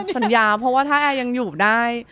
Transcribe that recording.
สัญญาเพราะว่าถ้าแอร์ยังอยู่ได้